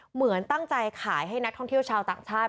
เหมือนตั้งใจขายให้นักท่องเที่ยวชาวต่างชาติ